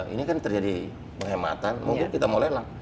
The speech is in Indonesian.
ini kan terjadi penghematan mungkin kita mau lelang